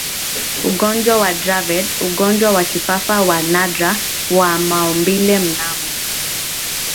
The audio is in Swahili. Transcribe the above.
ugonjwa wa Dravet ugonjwa wa kifafa wa nadra wa maumbileMnamo